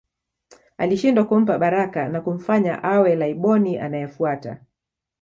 Alishindwa kumpa baraka na kumfanya awe Laiboni anayefuata